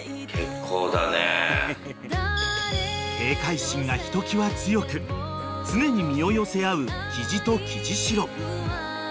［警戒心がひときわ強く常に身を寄せ合うキジとキジシロ］